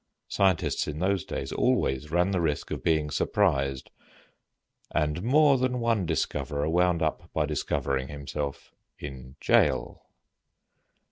Scientists in those days always ran the risk of being surprised, and more than one discoverer wound up by discovering himself in jail.